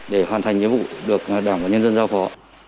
để hoàn thành nhiệm vụ được đảng và nhân dân giao phó